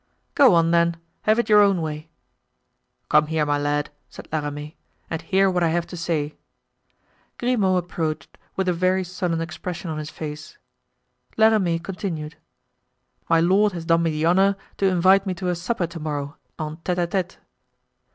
"Go on, then; have it your own way." "Come here, my lad," said La Ramee, "and hear what I have to say." Grimaud approached, with a very sullen expression on his face. La Ramee continued: "My lord has done me the honor to invite me to a supper to morrow en tete a tete."